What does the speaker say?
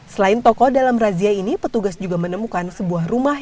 selain toko dalam razia ini petugas juga menemukan sebuah rumah